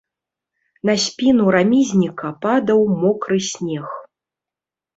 На спіну рамізніка падаў мокры снег.